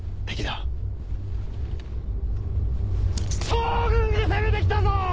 趙軍が攻めてきたぞ！